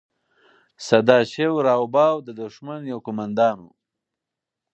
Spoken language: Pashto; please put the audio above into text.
سداشیو راو بهاو د دښمن یو قوماندان و.